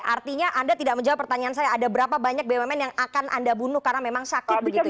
artinya anda tidak menjawab pertanyaan saya ada berapa banyak bumn yang akan anda bunuh karena memang sakit begitu ya